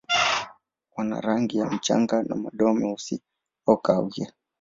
Wana rangi ya mchanga na madoa meusi au kahawia.